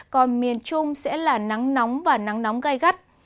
còn miền trung sẽ là nắng nóng và nắng nóng gai gắt